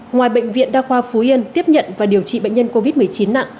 ngoài bệnh viện đa khoa phú yên tiếp nhận và điều trị bệnh nhân covid một mươi chín nặng